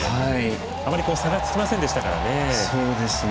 あまり差がつきませんでしたからね。